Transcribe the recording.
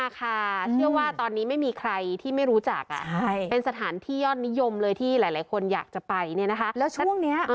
ค่ะเชื่อว่าตอนนี้ไม่มีใครที่ไม่รู้จักเป็นสถานที่ยอดนิยมเลยที่หลายคนอยากจะไปเนี่ยนะคะแล้วช่วงนี้